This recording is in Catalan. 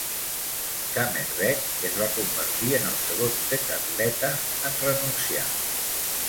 Kamerbeek es va convertir en el segon decatleta en renunciar.